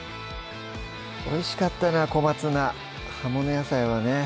おいしかったな小松菜葉物野菜はね